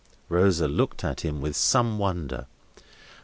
Rosa looked at him with some wonder.